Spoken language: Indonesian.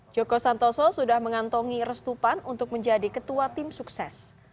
joko santoso sudah mengantongi restupan untuk menjadi ketua tim sukses